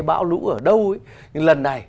bão lũ ở đâu ấy nhưng lần này